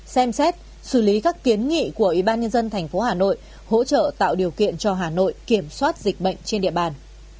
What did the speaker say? năm xem xét xử lý các kiến nghị của ybnd tp hà nội hỗ trợ tạo điều kiện cho hà nội kiểm soát dịch bệnh trên địa bàn